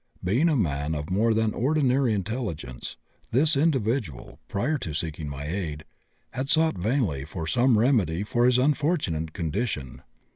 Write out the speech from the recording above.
Being a man of more than ordinary intelligence, this individual, prior to seeking my aid, had sought vainly for some remedy for his unfortunate condition.